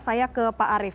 saya ke pak arief